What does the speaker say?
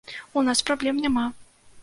У нас праблем няма.